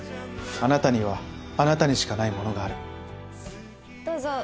あなたにはあなたにしかないものがある。